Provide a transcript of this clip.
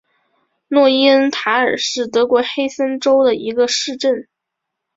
诺伊恩塔尔是德国黑森州的一个市镇。